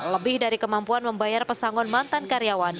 lebih dari kemampuan membayar pesangon mantan karyawan